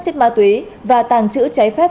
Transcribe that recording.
chết ma túy và tàng trữ trái phép